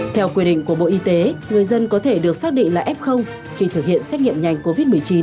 theo quy định của bộ y tế người dân có thể được xác định là f khi thực hiện xét nghiệm nhanh covid một mươi chín